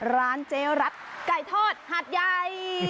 ร้านเจ๊รัฐไก่ทอดหาดใหญ่